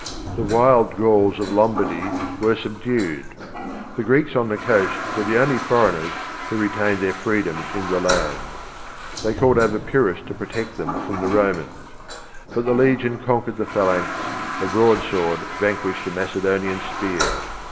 The wild Gauls of Lombardy were subdued. The Greeks on the coast were the only foreigners who retained their freedom in the land. They called over Pyrrhus to protect them from the Romans; but the legion conquered the phalanx, the broadsword vanquished the Macedonian spear.